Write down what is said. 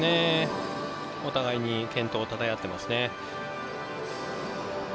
お互いに健闘をたたえ合っていますね。